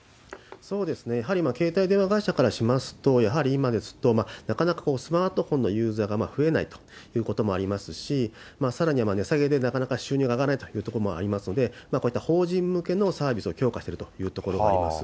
やはりこれ、携帯電話会社からしますと、やはり今ですと、なかなかスマートフォンのユーザーが増えないということもありますし、さらには値下げでなかなか収入が上がらないということもありますので、こういった法人向けのサービスを強化するというところがあります。